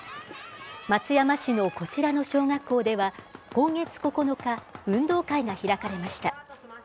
松山市のこちらの小学校では、今月９日、運動会が開かれました。